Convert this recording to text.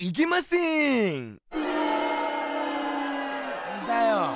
っんだよ。